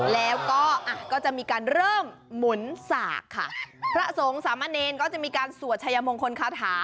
แล้วก็อ่ะก็จะมีการเริ่มหมุนสากค่ะพระสงฆ์สามะเนรก็จะมีการสวดชายมงคลคาถา